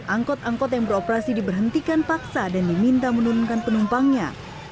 angkot angkot yang beroperasi diberhentikan paksa dan diminta menurunkan penumpangnya